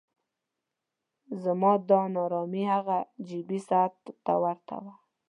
زما دا نا ارامي هغه جیبي ساعت ته ورته وه.